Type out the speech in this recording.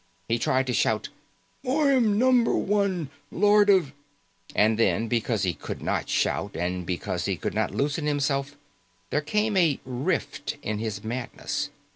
He tried to shout, "I am Number One, Lord of " And then, because he could not shout and because he could not loosen himself, there came a rift in his madness.